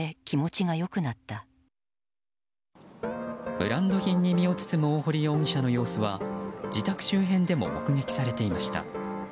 ブランド品に身を包む大堀容疑者の様子は自宅周辺でも目撃されていました。